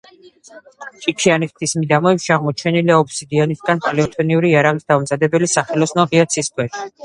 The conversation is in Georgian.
ჭიქიანის მთის მიდამოებში აღმოჩენილია ობსიდიანისაგან პალეოლითური იარაღის დამამზადებელი „სახელოსნო ღია ცის ქვეშ“.